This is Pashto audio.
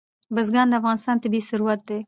بزګان د افغانستان طبعي ثروت دی.